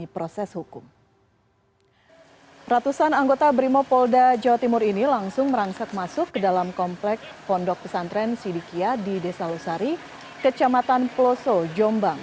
pondok pesantren sidikia di desa usari kecamatan peloso jombang